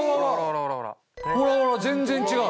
ほらほら全然違う。